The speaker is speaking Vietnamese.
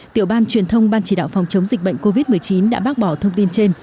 tiểu ban truyền thông ban chỉ đạo phòng chống dịch bệnh covid một mươi chín đã bác bỏ thông tin trên